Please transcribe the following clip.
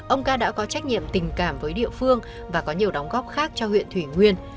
ông ca đã có trách nhiệm tình cảm với địa phương và có nhiều đóng góp khác cho huyện thủy nguyên